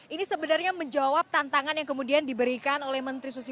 ini sebenarnya menjawab tantangan yang kemudian diberikan oleh menteri susi